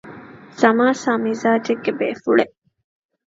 ސަމާސާ މިޒާޖެއްގެ ބޭފުޅެއް